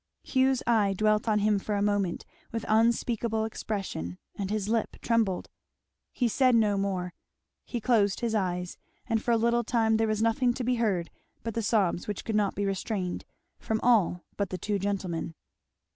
Hugh's eye dwelt on him for a moment with unspeakable expression, and his lip trembled. He said no more; he closed his eyes; and for a little time there was nothing to be heard but the sobs which could not be restrained, from all but the two gentlemen.